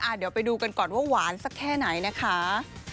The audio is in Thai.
เดี๋ยวไปดูกันก่อนว่าหวานสักแค่ไหนนะคะ